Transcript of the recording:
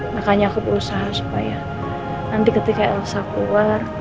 makanya aku berusaha supaya nanti ketika elsa keluar